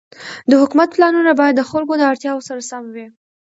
د حکومت پلانونه باید د خلکو د اړتیاوو سره سم وي.